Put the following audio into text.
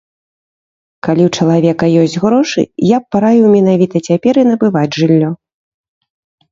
Калі ў чалавека ёсць грошы, я б параіў менавіта цяпер і набываць жыллё.